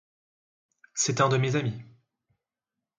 C'est un de mes amis.